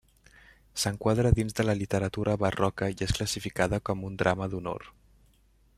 S'enquadra dins de la literatura barroca i és classificada com un drama d'honor.